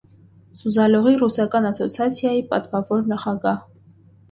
Սուզալողի ռուսական ասոցիացիայի պատվավոր նախագահ։